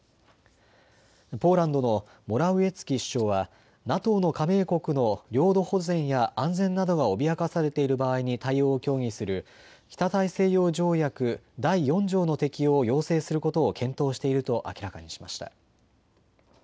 ポーランドのモラウィエツキ首相はＮＡＴＯの加盟国の領土保全や安全などが脅かされている場合に対応を協議する北大西洋条約第４条の適用を要請することを検討していると明らかにしました。